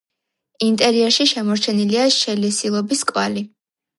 ინტერიერში შემორჩენილია შელესილობის კვალი.